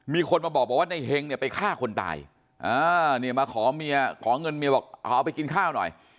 มีคนมาบอกว่าในเฮงเนี่ยไปฆ่าคนตายเนี่ยมาขอเมียขอเงินเมียบอกเอาไปกินข้าวหน่อย